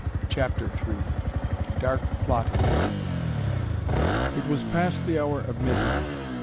CHAPTER III DARK PLOTTINGS It was past the hour of midnight.